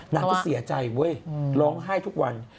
นางก็เสียใจเว้ยร้องไห้ทุกวัน